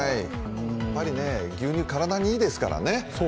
やっぱり牛乳、体にいいですからね。